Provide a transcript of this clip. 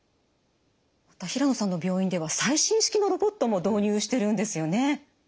平能さんの病院では最新式のロボットも導入してるんですよね。